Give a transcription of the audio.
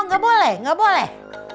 gak boleh gak boleh